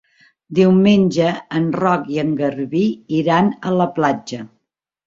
Diumenge en Roc i en Garbí iran a la platja.